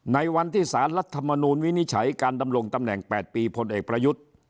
ในวันที่สารรัฐมนูลวินิจฉัยการดำรงตำแหน่ง๘ปีพลเอกประยุทธ์